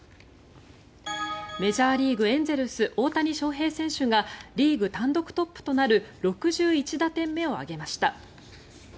メジャーリーグエンゼルス大谷翔平選手がリーグ単独トップとなる６１打点目を挙げました。